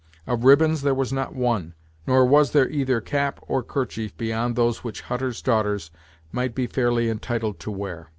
Of ribbons there was not one; nor was there either cap or kerchief beyond those which Hutter's daughters might be fairly entitled to wear.